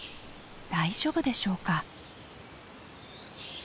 大丈夫でしょうか？